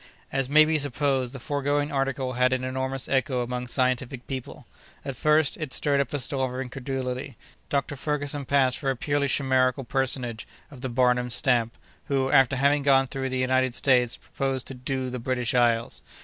As may be supposed, the foregoing article had an enormous echo among scientific people. At first, it stirred up a storm of incredulity; Dr. Ferguson passed for a purely chimerical personage of the Barnum stamp, who, after having gone through the United States, proposed to "do" the British Isles.